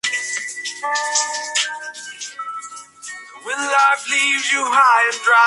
Presenta como característica principal la confluencia de los ríos Negro y Amazonas.